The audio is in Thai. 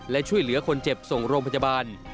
และช่วยเหลือคนเจ็บส่งโรงพยาบาล